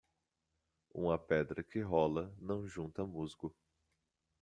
Uma pedra que rola não junta musgo